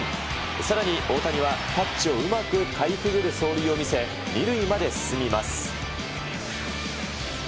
さらに大谷は、タッチをうまくかいくぐる走塁を見せ、２塁まで進みます。